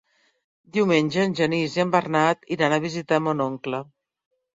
Diumenge en Genís i en Bernat iran a visitar mon oncle.